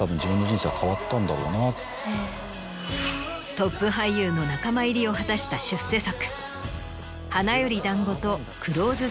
トップ俳優の仲間入りを果たした出世作。